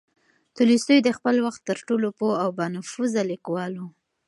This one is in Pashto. تولستوی د خپل وخت تر ټولو پوه او با نفوذه لیکوال و.